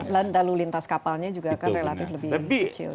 dan lalu lintas kapalnya juga akan relatif lebih kecil